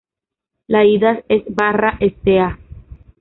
La ida es Barra Sta.